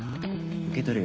受け取るよ。